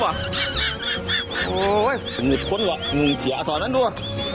สนุกคนเหรองูเสียถนนั้นดู